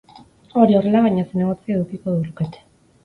Hori horrela, bina zinegotzi edukiko lukete.